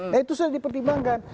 nah itu sudah dipertimbangkan